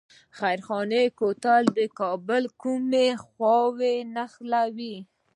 خیرخانه کوتل کابل له کومې خوا نښلوي؟